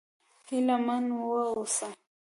هيله من و اوسه!